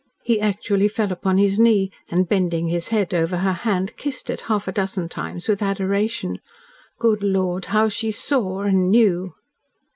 He actually fell upon his knee, and bending his head over her hand, kissed it half a dozen times with adoration. Good Lord, how she SAW and KNEW!